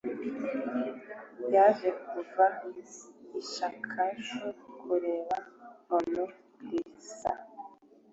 yaje kuva i kyushu kureba mona lisa